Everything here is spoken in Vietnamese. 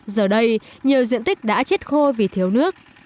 giờ đây nhiều diện tích đã chết khô vì thiếu nước